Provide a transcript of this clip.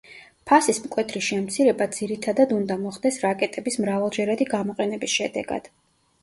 ფასის მკვეთრი შემცირება ძირითადად უნდა მოხდეს რაკეტების მრავალჯერადი გამოყენების შედეგად.